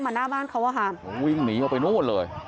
หน้าบ้านเขาอะค่ะวิ่งหนีออกไปนู่นเลย